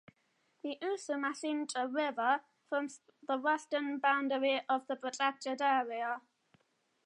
The Usumacinta River forms the western boundary of the protected area.